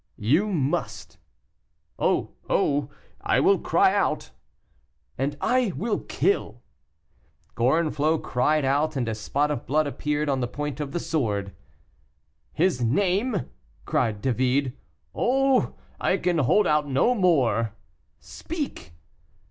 "You must." "Oh! oh! I will cry out." "And I will kill." Gorenflot cried out, and a spot of blood appeared on the point of the sword. "His name?" cried David. "Oh! I can hold out no more." "Speak."